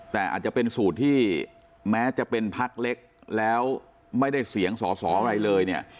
แต่อาจจะเป็นสูตรที่แม้จะเป็นพักเล็กแล้วไม่ได้เสียงสอสออะไรเลยเนี่ย